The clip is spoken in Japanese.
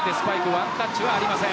ワンタッチはありません。